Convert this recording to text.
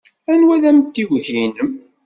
Anwa ay d amtiweg-nnem?